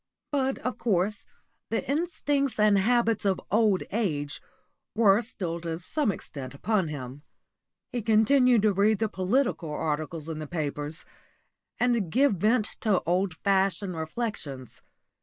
But, of course, the instincts and habits of old age were still to some extent upon him. He continued to read the political articles in the papers, and give vent to old fashioned reflections.